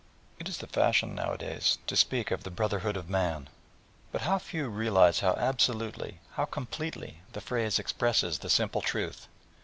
It is the fashion nowadays to speak of the "Brotherhood of man," but how few realise how absolutely, how completely the phrase expresses the simple truth!